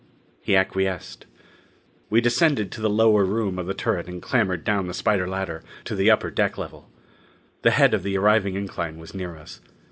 He acquiesced. We descended to the lower room of the turret and clambered down the spider ladder to the upper deck level. The head of the arriving incline was near us.